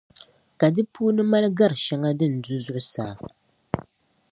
Ka di puuni mali gar’ shɛŋa din du zuɣusaa.